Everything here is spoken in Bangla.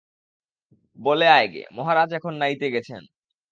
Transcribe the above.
বলে আয় গে, মহারাজ এখন নাইতে গেছেন।